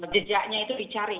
jejaknya itu dicari